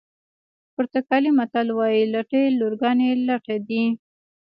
پرتګالي متل وایي لټې لورګانې لټه دي.